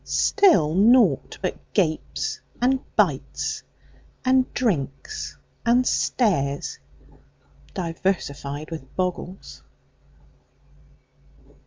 Still naught but gapes and bites, And drinks and stares, diversified with boggles?